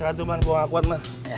lari kemarin gua ga kuat man